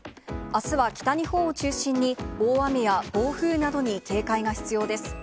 あすは北日本を中心に、大雨や暴風などに警戒が必要です。